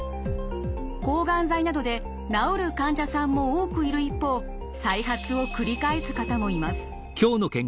抗がん剤などで治る患者さんも多くいる一方再発を繰り返す方もいます。